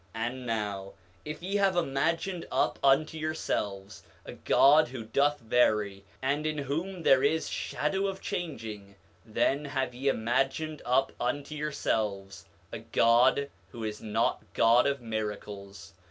9:10 And now if ye have imagined up unto yourselves a god who doth vary, and in whom there is shadow of changing, then have ye imagined up unto yourselves a god who is not God of miracles.